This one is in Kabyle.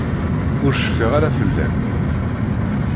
Ur cfiɣ ara fell-am.